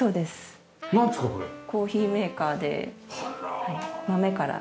コーヒーメーカーで豆から。